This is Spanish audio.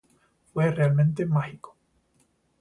Fue realmente mágico".